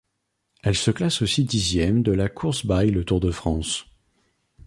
Elle se classe aussi dixième de La course by Le Tour de France.